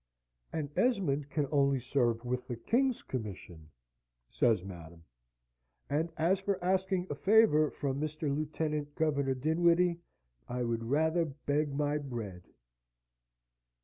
"An Esmond can only serve with the king's commission," says Madam, "and as for asking a favour from Mr. Lieutenant Governor Dinwiddie, I would rather beg my bread."